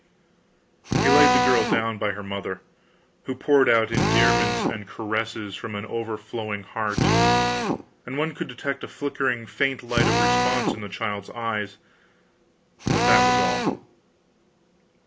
He laid the girl down by her mother, who poured out endearments and caresses from an overflowing heart, and one could detect a flickering faint light of response in the child's eyes, but that was all.